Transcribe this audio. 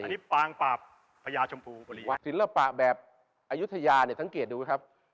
อันนี้ปางปากพระยาชมภูมิบริยาชศิลปะแบบอายุทยาเนี่ยสังเกตดูไว้ครับ